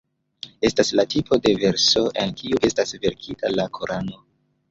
Estas la tipo de verso en kiu estas verkita la Korano.